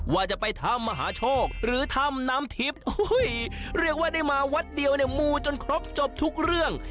ว่าจะไปถ้ำมหาโชคหรือถ้ำน้ำทิพย์เรียกว่าได้มาวัดเดียวเนี่ยมูจนครบจบทุกเรื่อง